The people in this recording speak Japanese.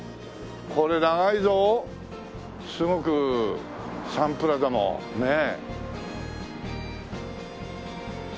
これ長いぞすごくサンプラザもねえ。